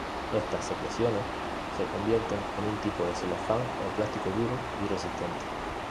Estas secreciones se convierten en un tipo de celofán o plástico duro y resistente.